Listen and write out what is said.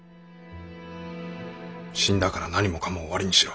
「死んだから何もかも終わりにしろ」。